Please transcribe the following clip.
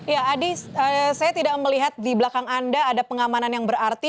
ya adi saya tidak melihat di belakang anda ada pengamanan yang berarti